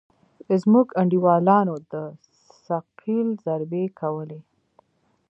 زموږ انډيوالانو د ثقيل ضربې کولې.